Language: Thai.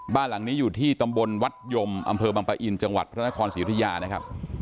บ้านหลังนี้อยู่ที่ตำบลวัดยมอำเภอบังปะอินจังหวัดพระนครศรีอุทยานะครับ